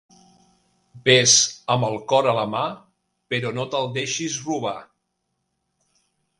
Ves amb el cor a la mà, però no te'l deixis robar.